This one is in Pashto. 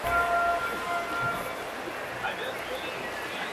غوټه چي په لاس خلاصېږي، غاښ ته څه حاجت دئ؟